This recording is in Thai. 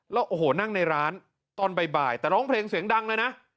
แล้วโอ้โหนั่งในร้านตอนบ่ายแต่ร้องเพลงเสียงดังเลยนะ